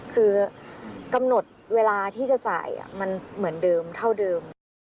คือกำหนดเวลาที่จะจ่ายมันเหมือนเดิมเท่าเดิม